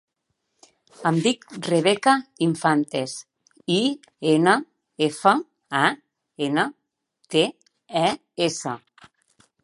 Em dic Rebeca Infantes: i, ena, efa, a, ena, te, e, essa.